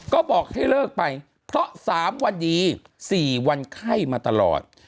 ก็บอกให้เลิกไปเพราะ๓วันดี๔วันไข้มาตลอด